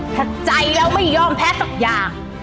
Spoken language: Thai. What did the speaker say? ถ้าใจเราไม่ยอมแพ้สักอย่าง